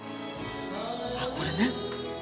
あっこれね。